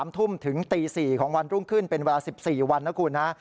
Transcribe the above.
๓ทุ่มถึงตี๔ของวันรุ่งขึ้นเป็นเวลา๑๔วันนะคุณนะ